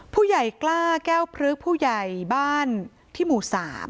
ผู้ใหญ่กล้าแก้วพลึกผู้ใหญ่บ้านที่หมู่๓